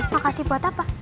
makasih buat apa